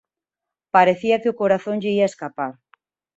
Parecía que o corazón lle ía escapar.